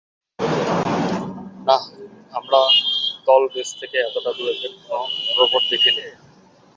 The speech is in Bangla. নাহ, আমরা তল বেস থেকে এতটা দূরে কোনো রোবট দেখিনি।